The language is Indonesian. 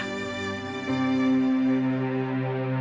mama aku gak mau